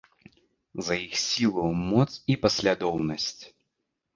За іх сілу, моц і паслядоўнасць.